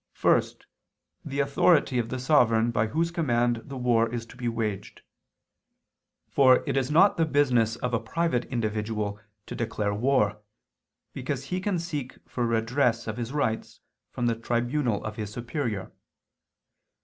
First, the authority of the sovereign by whose command the war is to be waged. For it is not the business of a private individual to declare war, because he can seek for redress of his rights from the tribunal of his superior.